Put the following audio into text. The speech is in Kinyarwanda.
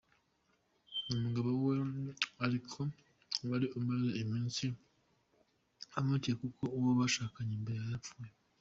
Ni umugabo we ariko wari amaze iminsi amucyuye kuko uwo bashakanye mbere yarapfuye.